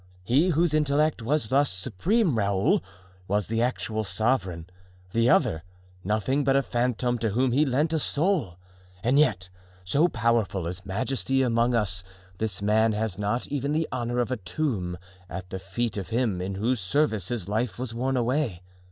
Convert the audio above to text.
He whose intellect was thus supreme, Raoul, was the actual sovereign; the other, nothing but a phantom to whom he lent a soul; and yet, so powerful is majesty amongst us, this man has not even the honor of a tomb at the feet of him in whose service his life was worn away.